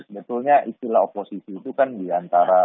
sebetulnya istilah oposisi itu kan diantara